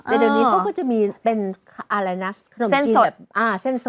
แต่เดี๋ยวนี้ก็จะมีเป็นอะไรนะขนมจีนแบบอ่าเส้นสด